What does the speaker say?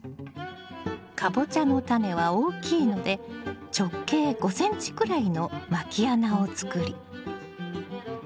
カボチャのタネは大きいので直径５ｃｍくらいのまき穴を作り